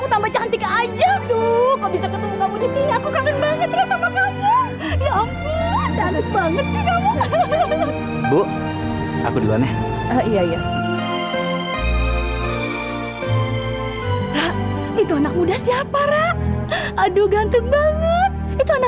sampai jumpa di video selanjutnya